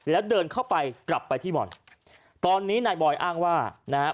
แล้วเดินเข้าไปกลับไปที่บ่อนตอนนี้นายบอยอ้างว่านะฮะ